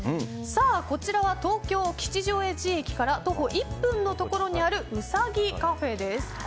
こちらは東京・吉祥寺駅から徒歩１分のところにあるウサギカフェです。